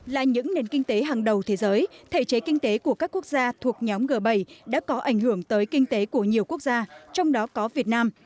là những nền kinh tế hàng đầu thế giới thể chế kinh tế của các quốc gia thuộc nhóm g bảy đã có ảnh hưởng tới kinh tế của nhiều quốc gia trong đó có việt nam